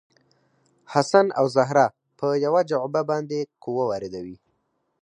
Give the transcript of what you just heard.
حسن او زهره په یوه جعبه باندې قوه واردوي.